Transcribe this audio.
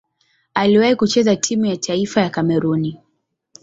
Aliwahi kucheza timu ya taifa ya Kamerun.